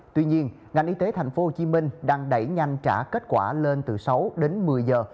tuy nhiên ngành y tế thành phố hồ chí minh đang đẩy nhanh trả kết quả lên từ sáu đến một mươi giờ